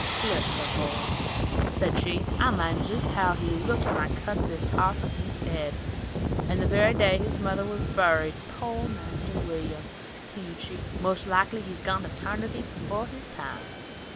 "Bless the boy," said she, "I mind jest how he looked when I cut this har from his head, the very day his mother was buried. Poor Marster William," continued she, "most likely he's gone to 'tarnity 'fore this time."